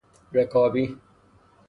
رکابی